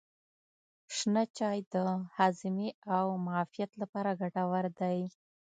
شنه چای د هاضمې او معافیت لپاره ګټور دی.